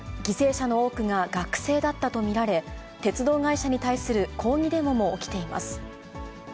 犠牲者の多くが学生だったと見られ、鉄道会社に対する抗議デモも起きています。